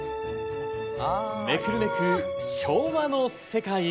めくるめく昭和の世界。